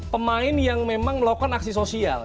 pemain yang memang melakukan aksi sosial